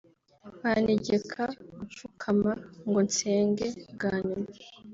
bantegeka gupfukama ngo nsege bwanyuma